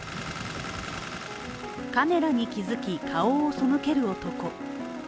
カメラに気づき、顔を背ける男。